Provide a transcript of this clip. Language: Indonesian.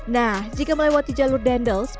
nah jika melewati jalur dendels